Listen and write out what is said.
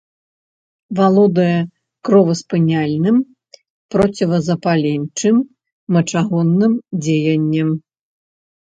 Валодае кроваспыняльным, процізапаленчым, мачагонным дзеяннем.